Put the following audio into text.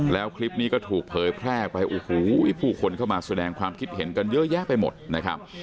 แล้วคลิปนี้ก็ถูกเผยแพร่ไปโอ้โหผู้คนเข้ามาแสดงความคิดเห็นกันเยอะแยะไปหมดนะครับ